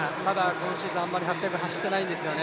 今シーズン、まだあまり８００ｍ走ってないんですよね。